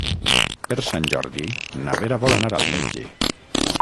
Per Sant Jordi na Vera vol anar al metge.